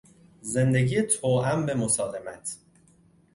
زندگی توأم به مسالمت